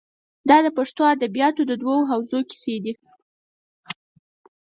دا د پښتو ادبیاتو د دوو حوزو کیسې دي.